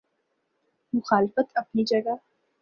مخالفت اپنی جگہ۔